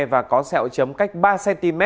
và có sẹo chấm cách ba cm